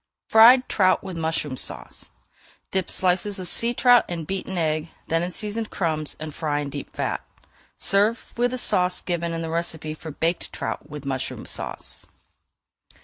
FRIED TROUT WITH MUSHROOM SAUCE Dip slices of sea trout in beaten egg, then [Page 415] in seasoned crumbs, and fry in deep fat. Serve with the sauce given in the recipe for Baked Trout with Mushroom Sauce.